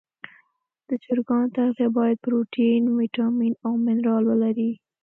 د چرګانو تغذیه باید پروټین، ویټامین او منرال ولري.